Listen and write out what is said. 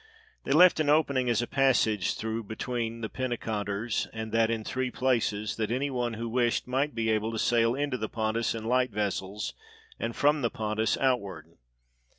They left an opening as a passage through between the penteconters, and that in three places, that any one who wished might be able to sail into the Pontus in light vessels, and from the Pontus outward.